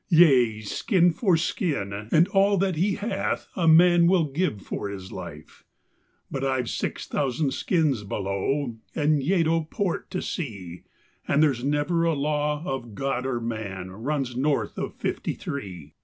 "Yea, skin for skin, and all that he hath a man will give for his life; But I've six thousand skins below, and Yeddo Port to see, And there's never a law of God or man runs north of Fifty Three.